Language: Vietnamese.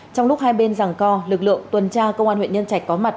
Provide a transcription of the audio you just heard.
trong lúc hai bên rằng co lực lượng tuần tra công an huyện nhân trạch có mặt